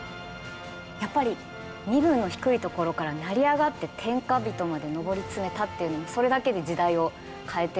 やっぱり身分の低いところから成り上がって天下人まで上り詰めたっていうのもそれだけで時代を変えていると思いますし。